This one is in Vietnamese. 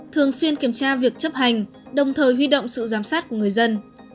thường xuyên kiểm tra việc chấp hành đồng thời huy động sự giám sát của người dân